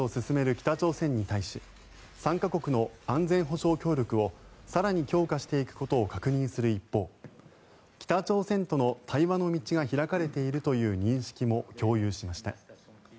北朝鮮に対し３か国の安全保障協力を更に強化していくことを確認する一方北朝鮮との対話の道が開かれているという認識も共有しました。